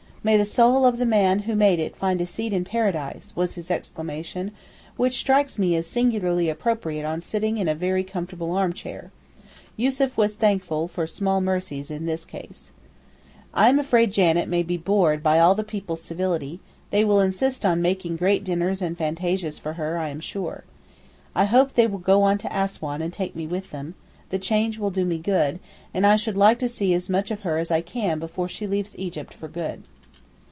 'May the soul of the man who made it find a seat in Paradise,' was his exclamation, which strikes me as singularly appropriate on sitting in a very comfortable armchair. Yussuf was thankful for small mercies in this case. I am afraid Janet may be bored by all the people's civility; they will insist on making great dinners and fantasias for her I am sure. I hope they will go on to Assouan and take me with them; the change will do me good, and I should like to see as much of her as I can before she leaves Egypt for good.